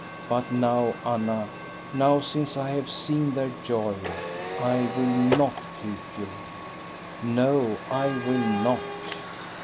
But now, Anna, now since I have seen their joy, I will not keep you ; no, I will not.